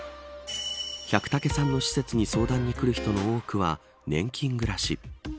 百武さんの施設に相談に来る人の多くは年金暮らし。